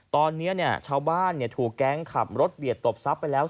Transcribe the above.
ตอนนี้ชาวบ้านถูกแก๊งขับรถเบียดตบทรัพย์ไปแล้ว